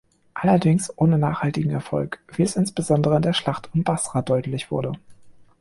Allerdings ohne nachhaltigen Erfolg, wie es insbesondere in der Schlacht um Basra deutlich wurde.